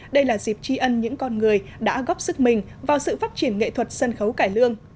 đây là dịp tri ân những con người đã góp sức mình vào sự phát triển nghệ thuật sân khấu cải lương